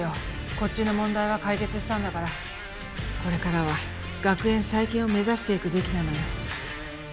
こっちの問題は解決したんだからこれからは学園再建を目指していくべきなのよ